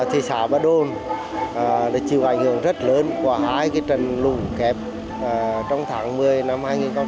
thị xã ba đồn đã chịu ảnh hưởng rất lớn của hai trần lũ kẹp trong tháng một mươi năm hai nghìn một mươi sáu